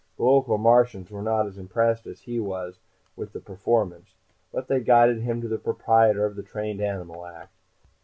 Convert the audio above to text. The local Martians were not as impressed as he was with the performance, but they guided him to the proprietor of the trained animal act.